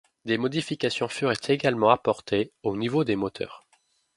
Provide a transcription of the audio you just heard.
Des modifications furent également apportées au niveau des moteurs.